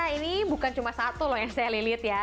ini bukan cuma satu loh yang saya lilit ya